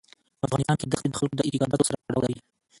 په افغانستان کې دښتې د خلکو د اعتقاداتو سره تړاو لري.